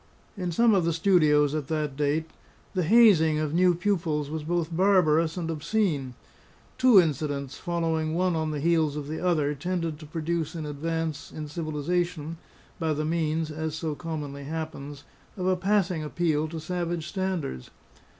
In some of the studios at that date, the hazing of new pupils was both barbarous and obscene. Two incidents, following one on the heels of the other tended to produce an advance in civilization by the means (as so commonly happens) of a passing appeal to savage standards.